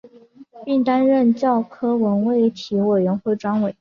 并担任教科文卫体委员会专委。